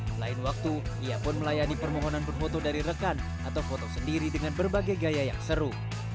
selain waktu ia pun melayani permohonan berfoto dari rekan atau foto sendiri dengan berbagai gaya yang seru